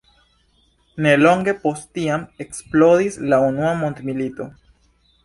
Nelonge post tiam eksplodis la unua mondmilito.